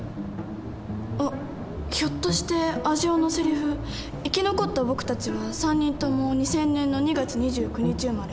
あっひょっとしてアジオのセリフ「生き残った僕たちは３人とも２０００年の２月２９日生まれ。